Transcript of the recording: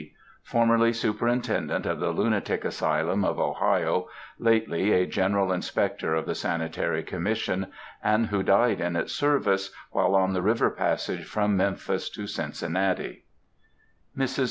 formerly Superintendent of the Lunatic Asylum of Ohio, lately a General Inspector of the Sanitary Commission, and who died in its service, while on the river passage from Memphis to Cincinnati;— MRS.